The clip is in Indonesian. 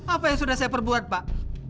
apa yang sudah saya perbuat pak